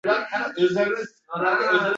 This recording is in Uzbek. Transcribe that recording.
Rost aytaman